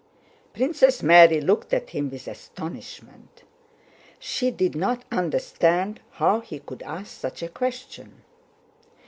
Princess Mary looked at him with astonishment. She did not understand how he could ask such a question.